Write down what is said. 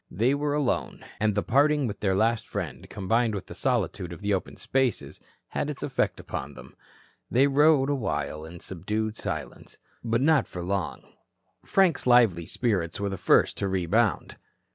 They were alone, and the parting with their last friend, combined with the solitude of the open spaces, had its effect upon them. They rode awhile in subdued silence. But not for long. Frank's lively spirits were the first to rebound.